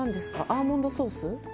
アーモンドソース？